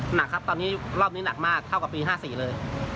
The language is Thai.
หนักครับตอนนี้รอบนี้หนักมากเท่ากับปี๕๔เลย